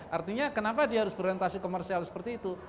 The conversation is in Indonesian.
artinya kenapa dia harus berorientasi komersial seperti itu